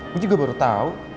gue juga baru tau